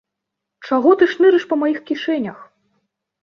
Чаго ты шнырыш па маіх кішэнях?